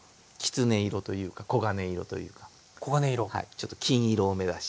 ちょっと金色を目指して。